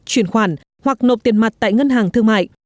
chuyển khoản hoặc nộp tiền mặt tại ngân hàng thương mại